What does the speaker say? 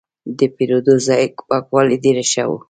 د پیرود ځای پاکوالی ډېر ښه و.